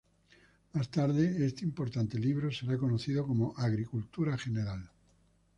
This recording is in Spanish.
Más tarde este importante libro será conocido como "Agricultura general".